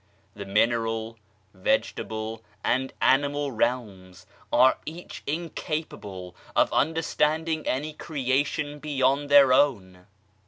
The mineral, vege table, and animal realms are each incapable of under standing any creation beyond their own.